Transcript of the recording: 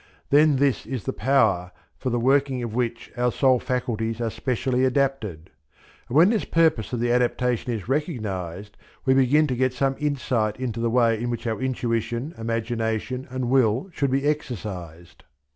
Then this is the Power for the working of which our soul faculties are specially adapted. And when this purpose of the adaptation is recognized we begin to get some insight into the way in which our intuition, imagination, and will should be exercized.